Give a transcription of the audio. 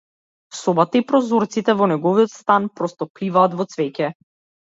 Собата и прозорците во неговиот стан просто пливаат во цвеќе.